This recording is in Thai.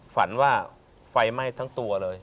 ฝันว่าไฟไหม้ทั้งตัวเลย